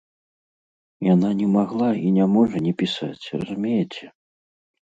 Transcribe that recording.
Яна не магла і не можа не пісаць, разумееце.